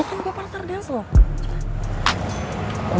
kan gue partar dance loh